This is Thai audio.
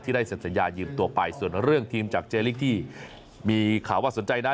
ได้เสร็จสัญญายืมตัวไปส่วนเรื่องทีมจากเจลิกที่มีข่าวว่าสนใจนะ